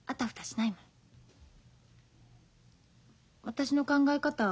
私の考え方